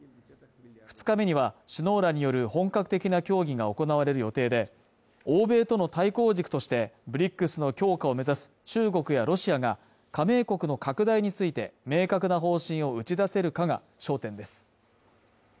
２日目には首脳らによる本格的な協議が行われる予定で欧米との対抗軸としてＢＲＩＣＳの強化を目指す中国やロシアが加盟国の拡大について明確な方針を打ち出せるかが焦点です